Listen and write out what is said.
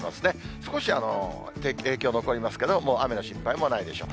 少し影響残りますけど、もう雨の心配もないでしょう。